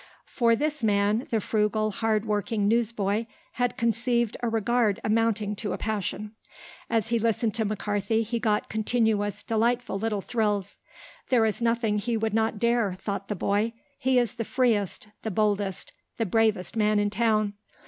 For this man the frugal, hard working newsboy had conceived a regard amounting to a passion. As he listened to McCarthy he got continuous delightful little thrills. "There is nothing he would not dare," thought the boy. "He is the freest, the boldest, the bravest man in town."